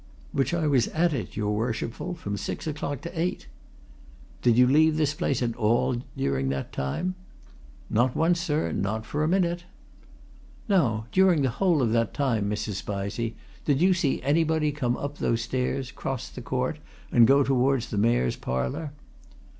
"Which I was at it, your Worshipful, from six o'clock to eight." "Did you leave this place at all during that time?" "Not once, sir; not for a minute." "Now during the whole of that time, Mrs. Spizey, did you see anybody come up those stairs, cross the court, and go towards the Mayor's Parlour?"